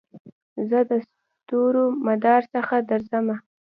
زه دستورو دمدار څخه درځمه